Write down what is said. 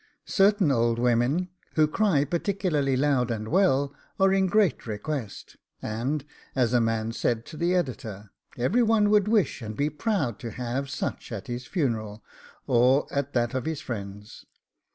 Certain old women, who cry particularly loud and well are in great request, and, as a man said to the Editor, 'Every one would wish and be proud to have such at his funeral, or at that of his friends.